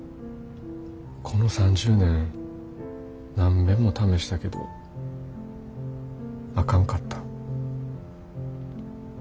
この３０年何べんも試したけどあかんかった。